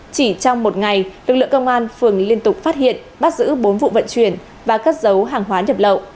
chỉ trong một ngày lực lượng công an phường liên tục phát hiện bắt giữ bốn vụ vận chuyển và cất dấu hàng hóa nhập lậu